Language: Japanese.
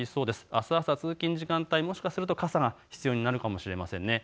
あす朝、通勤時間帯もしかしたら傘が必要になるかもしれません。